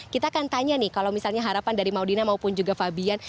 kita akan tanya nih kalau misalnya harapan dari maudina maupun juga fabian